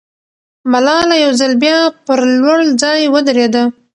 ملاله یو ځل بیا پر لوړ ځای ودرېده.